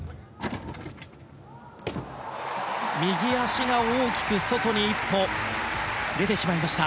右足が大きく外に１歩出てしまいました。